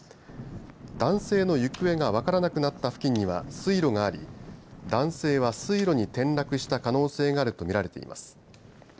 男性の行方が分からなくなった付近には水路があり男性は水路に転落した可能性があると見られています。